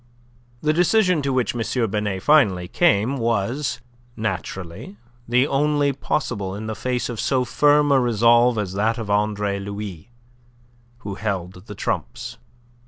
The decision to which M. Binet finally came was, naturally, the only one possible in the face of so firm a resolve as that of Andre Louis, who held the trumps.